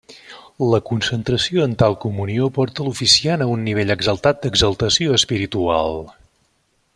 La concentració en tal comunió porta l'oficiant a un nivell exaltat d'exaltació espiritual.